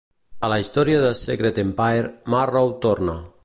A la història de Secret Empire, Marrow torna.